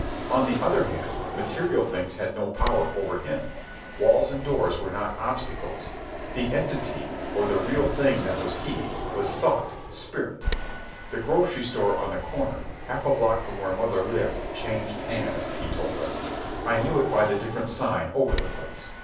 On the other hand, material things had no power over him. Walls and doors were not obstacles. The entity, or the real thing that was he, was thought, spirit. "The grocery store on the corner, half a block from where mother lived, changed hands," he told us. "I knew it by the different sign over the place.